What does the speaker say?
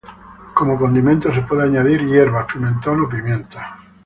Como condimento se puede añadir hierbas, pimentón o pimienta.